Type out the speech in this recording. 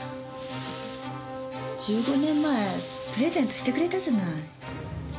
１５年前プレゼントしてくれたじゃない。